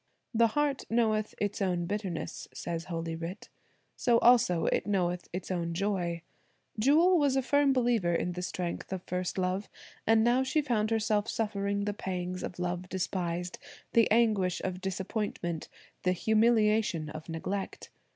"The heart knoweth its own bitterness," says Holy writ. So also it knoweth its own joy. Jewel was a firm believer in the strength of first love. And now she found herself suffering the pangs of love despised, the anguish of disappointment, the humiliation of neglect.